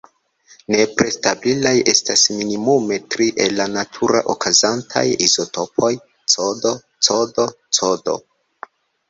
Nepre stabilaj estas minimume tri el la nature okazantaj izotopoj: Cd, Cd, Cd.